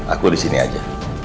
aku disini aja